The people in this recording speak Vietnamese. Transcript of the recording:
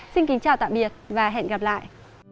xin kính chào tạm biệt và hẹn gặp lại